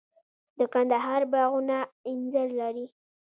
د کندهار باغونه انځر لري.